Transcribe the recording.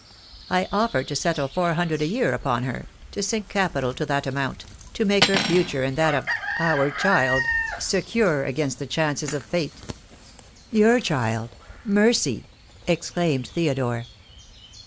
I offered to settle four hundred a year upon her — to sink capital to that amount — to make her future and that of — our child — secure against the chances of fate." THE DAY WILL COME. igi "Your child — Mercy!" exclaimed Theodore.